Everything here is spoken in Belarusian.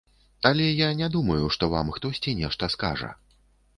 Але я не думаю, што вам хтосьці нешта скажа.